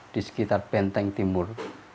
di sekitar benteng timur